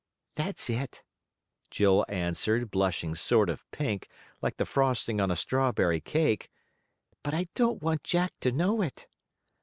"That's it," Jill answered, blushing sort of pink, like the frosting on a strawberry cake. "But I don't want Jack to know it."